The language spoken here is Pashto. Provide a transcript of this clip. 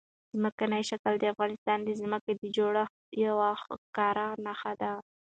ځمکنی شکل د افغانستان د ځمکې د جوړښت یوه ښکاره نښه ده.